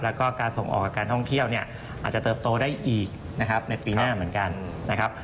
แล้วก็การส่งออกกับการท่องเที่ยวอาจจะเติบโตได้อีกในปีหน้าเหมือนกัน